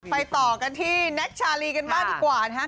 ต่อกันที่แน็กชาลีกันบ้างดีกว่านะฮะ